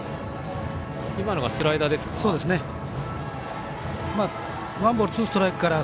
今のがスライダーですか？